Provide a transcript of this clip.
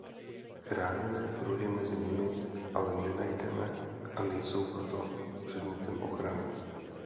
Chráněné druhy mezi nimi ale nenajdeme a nejsou proto předmětem ochrany.